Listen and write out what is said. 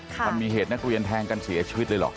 มันมีเหตุนักเรียนแทงกันเสียชีวิตเลยเหรอ